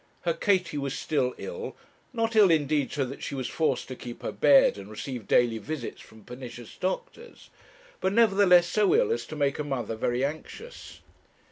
Her Katie was still ill; not ill indeed so that she was forced to keep her bed and receive daily visits from pernicious doctors, but, nevertheless, so ill as to make a mother very anxious.